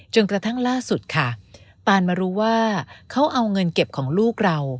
กระทั่งล่าสุดค่ะปานมารู้ว่าเขาเอาเงินเก็บของลูกเรา